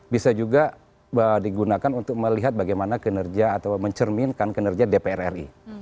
bisa juga digunakan untuk melihat bagaimana kinerja atau mencerminkan kinerja dpr ri